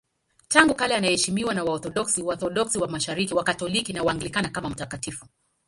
Tangu kale anaheshimiwa na Waorthodoksi, Waorthodoksi wa Mashariki, Wakatoliki na Waanglikana kama mtakatifu.